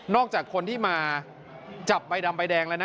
จากคนที่มาจับใบดำใบแดงแล้วนะ